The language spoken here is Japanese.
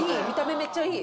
めっちゃいい。